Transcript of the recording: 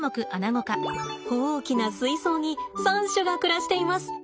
大きな水槽に３種が暮らしています。